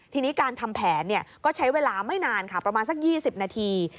ทีนี้การทำแผนก็ใช้เวลาไม่นานค่ะประมาณสัก๒๐นาที